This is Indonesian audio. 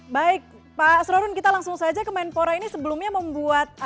baik pak asrorun kita langsung saja kemenpora ini sebelumnya membuat